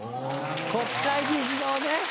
国会議事堂ね。